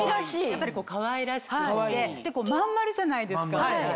やっぱりかわいらしくってまん丸じゃないですか。